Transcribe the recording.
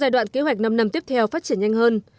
giai đoạn kế hoạch năm năm tiếp theo phát triển nhanh hơn